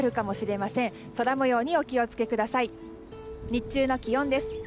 日中の気温です。